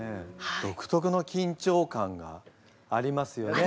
独特のきんちょう感がありますよね。